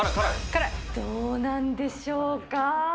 どうなんでしょうか。